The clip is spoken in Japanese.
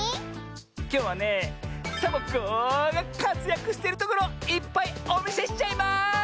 きょうはねサボ子がかつやくしてるところをいっぱいおみせしちゃいます！